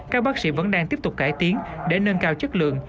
các bác sĩ vẫn đang tiếp tục cải tiến để nâng cao chất lượng